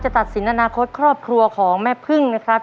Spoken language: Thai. ตัดสินอนาคตครอบครัวของแม่พึ่งนะครับ